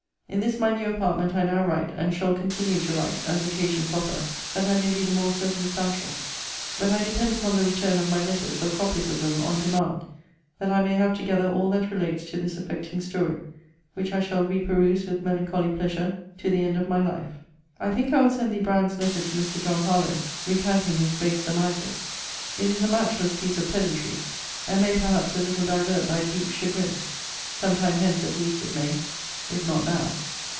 In this my new apartment I now write, and shall continue to write, as occasions offer, that I may be the more circumstantial: but I depend upon the return of my letters, or copies of them, on demand, that I may have together all that relates to this affecting story; which I shall re peruse with melancholy pleasure to the end of my life. I think I will send thee Brand's letter to Mr. John Harlowe, recanting his base surmises. It is a matchless piece of pedantry; and may perhaps a little divert thy deep chagrin: some time hence at least it may, if not now.